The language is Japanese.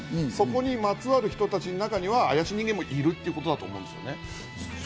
そこにまつわる人たちの中には怪しい人間もいるということだと思うんですね。